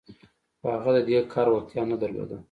خو هغه د دې کار وړتيا نه درلوده.